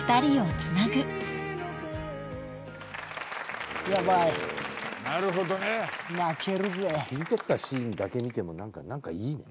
切り取ったシーンだけ見ても何かいいね。